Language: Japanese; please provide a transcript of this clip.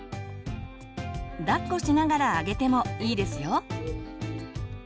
抱っこしながらあげてもいいですよ。